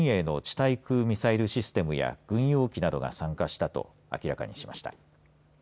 対空ミサイルシステムや軍用機などが参加したと明らかにしました。